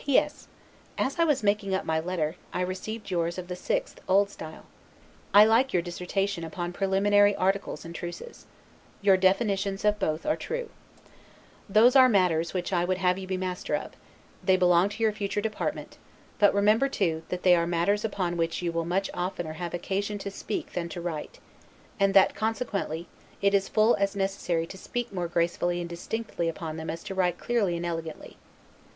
P. S. As I was making up my letter, I received yours of the 6th, O. S. I like your dissertation upon Preliminary Articles and Truces. Your definitions of both are true. Those are matters which I would have you be master of; they belong to your future department, But remember too, that they are matters upon which you will much oftener have occasion to speak than to write; and that, consequently, it is full as necessary to speak gracefully and distinctly upon them as to write clearly and elegantly.